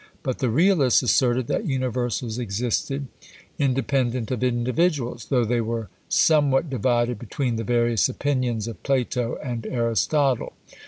But the Realists asserted that universals existed independent of individuals, though they were somewhat divided between the various opinions of Plato and Aristotle.